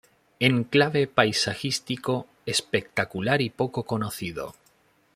Enclave paisajístico espectacular y poco conocido.